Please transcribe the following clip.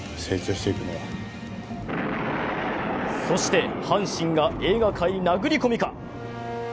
そして、阪神が映画界に殴り込みか？